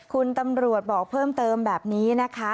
คุณตำรวจบอกเพิ่มเติมแบบนี้นะคะ